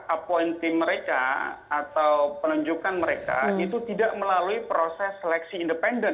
appointeam mereka atau penunjukan mereka itu tidak melalui proses seleksi independen